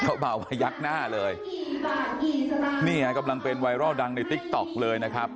เขาเบามายักหน้าเลยนี่ฮะกำลังเป็นไวรัลดังในติ๊กต๊อกเลยนะครับ